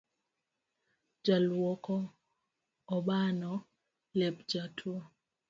Jaluoko obano lep jatuo